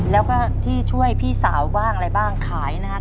แล้วก็ที่ช่วยพี่สาวบ้างอะไรบ้างขายนะครับ